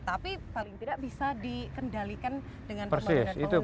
tapi paling tidak bisa dikendalikan dengan pembangunan pembangunan tadi ya pak